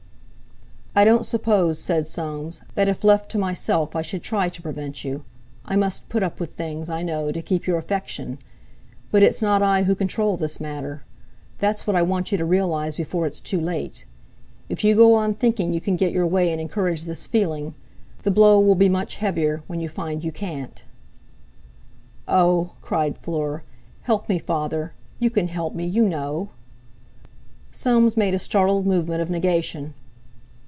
"I don't suppose," said Soames, "that if left to myself I should try to prevent you; I must put up with things, I know, to keep your affection. But it's not I who control this matter. That's what I want you to realise before it's too late. If you go on thinking you can get your way and encourage this feeling, the blow will be much heavier when you find you can't." "Oh!" cried Fleur, "help me, Father; you can help me, you know." Soames made a startled movement of negation.